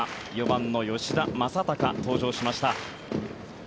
４番の吉田正尚、登場しました。